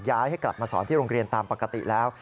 ให้กลับมาสอนที่โรงเรียนตามปกติแล้ว